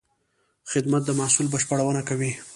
خدمت د محصول بشپړونه کوي.